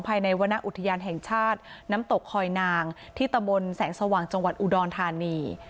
ภายในวรรณอุทยานแห่งชาติน้ำตกคอยนางที่ตำบลแสงสว่างจังหวัดอุดรธานี